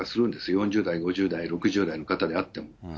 ４０代、５０代、６０代の方であっても。